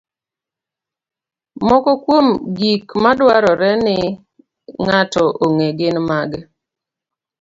Moko kuom gik madwarore ni ng'ato ong'e gin mage?